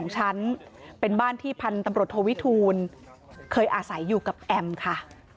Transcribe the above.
๒ชั้นเป็นบ้านที่พันธุ์ตำรวจโทวิทูลเคยอาศัยอยู่กับแอมค่ะ